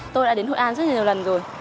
tôi đã đến hội an rất nhiều lần rồi